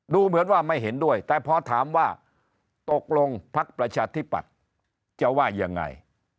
ดูเหมือนว่าไม่เห็นด้วยแต่พอถามว่าตกลงพักประชาธิปัตย์จะว่ายังไง